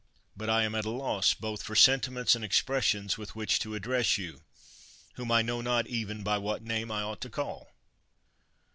But I am at a loss both for sentiments and expressions with which to address you, whom I know not even by what name I ought to call.